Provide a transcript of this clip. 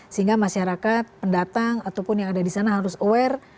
sehingga masyarakat pendatang ataupun yang ada di sana harus aware